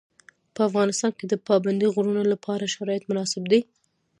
په افغانستان کې د پابندي غرونو لپاره شرایط مناسب دي.